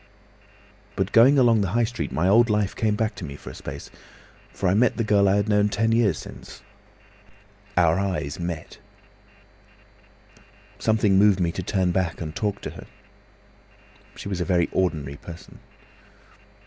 "But going along the High Street, my old life came back to me for a space, for I met the girl I had known ten years since. Our eyes met. "Something moved me to turn back and talk to her. She was a very ordinary person.